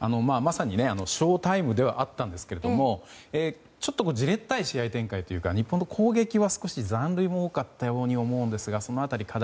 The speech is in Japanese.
まさにショウタイムではあったんですけどもじれったい試合展開というか日本の攻撃は少し残塁も多かったように思うんですがその辺り、課題